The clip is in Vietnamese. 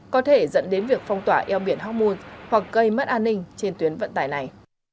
có thể dẫn đến việc phong tỏa eo biển hormun hoặc gây mất an ninh trên tuyến vận tải này